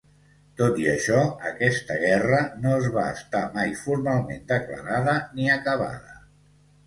Tot i això, aquesta guerra no es va estar mai formalment declarada ni acabada.